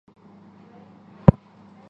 由冰川运动及外界温度上升有关。